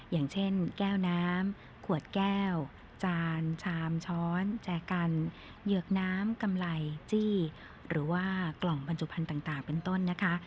อย่างเช่นแก้วน้ำขวดแก้วจานชามช้อนแจกันเหยือกน้ำกำไรจี้หรือว่ากล่องบรรจุภัณฑ์ต่างเป็นต้นนะคะ